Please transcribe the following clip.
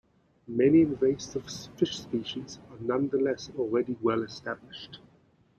Many invasive fish species are nonetheless already well-established.